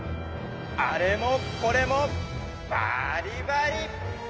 あれもこれもバリバリバリュ！